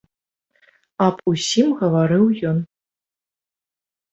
Аб усім гаварыў ён.